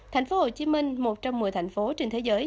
tp hcm một trong một mươi thành phố trên thế giới